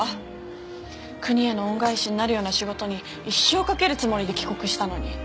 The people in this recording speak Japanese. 国への恩返しになるような仕事に一生を懸けるつもりで帰国したのに。